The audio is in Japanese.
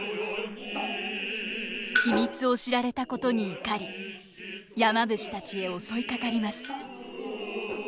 秘密を知られたことに怒り山伏たちへ襲いかかります。